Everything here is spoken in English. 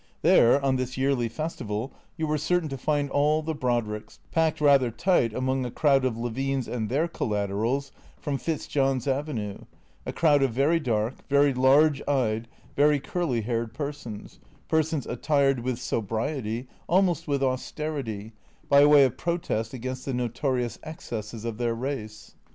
There, on this yearly festival, you were certain to find all the Brodricks, packed rather tight among a crowd of Levines and their collaterals from Fitzjohn's Avenue, a crowd of very dark, very large eyed, very curly haired persons, persons attired with sobriety, almost with austerity, by way of protest against the notorious excesses of their race.